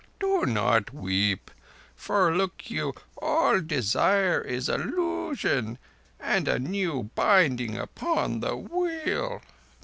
Do not weep; for, look you, all Desire is Illusion and a new binding upon the Wheel.